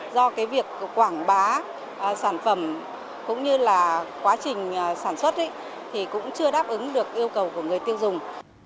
do cái việc quảng bá sản phẩm cũng như là quá trình sản xuất thì cũng chưa đáp ứng được yêu cầu của người tiêu dùng